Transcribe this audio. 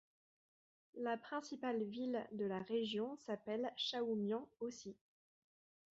La principale ville de la région s'appelle Chahoumian aussi.